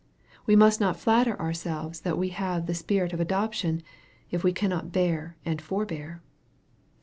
We must not flatter ourselves that we have the Spirit of adoption if we cannot bear and forbear.